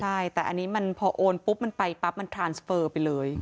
ใช่แต่อันนี้มันพอโอนปุ๊บมันไปปั๊บมันทรานสเฟอร์ไปเลย